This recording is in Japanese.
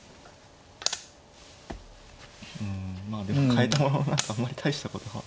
うんまあでもかえても何かあんまり大したことは。